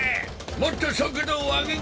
もっと速度を上げんか！